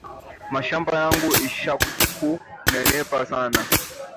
Mashamba yangu isha ku nenepa sana